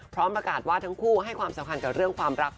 พร้อมประกาศว่าทั้งคู่ให้ความสำคัญกับเรื่องความรัก